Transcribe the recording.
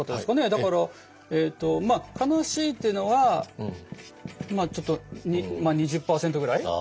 だから悲しいっていうのはまあちょっと２０％ぐらい。